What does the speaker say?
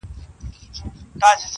ځوان پر لمانځه ولاړ دی~